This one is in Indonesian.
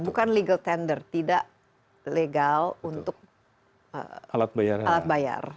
bukan legal tender tidak legal untuk alat bayar